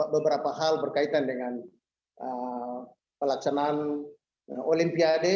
beberapa hal berkaitan dengan pelaksanaan olimpiade